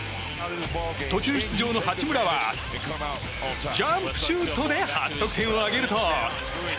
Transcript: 途中出場の八村はジャンプシュートで初得点を挙げると。